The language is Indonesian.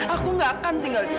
aku gak akan tinggal diam